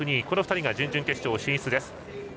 この２人が準々決勝進出です。